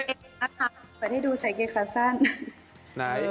หุ่นเป็นไงฮะตอนนี้